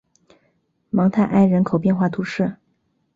芒泰埃人口变化图示